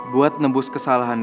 buat nembus kesalahan